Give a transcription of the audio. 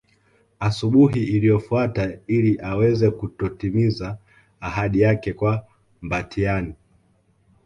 Asubuhi iliyofuata ili aweze kutotimiza ahadi yake kwa Mbatiany